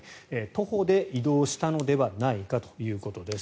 徒歩で移動したのではないかということです。